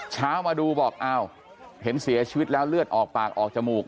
เช้ามาดูบอกอ้าวเห็นเสียชีวิตแล้วเลือดออกปากออกจมูก